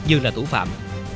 dư là tủ phạm